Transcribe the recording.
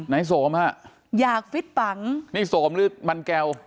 โสมฮะอยากฟิตฝังนี่โสมหรือมันแก้ว